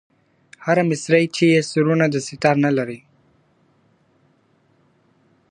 هره مسرۍ چي یې سورونه د سیتار نه لري